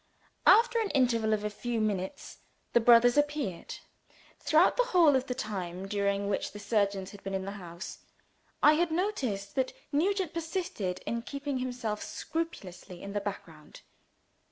After an interval of a few minutes, the brothers appeared. Throughout the whole of the time during which the surgeons had been in the house, I had noticed that Nugent persisted in keeping himself scrupulously in the background.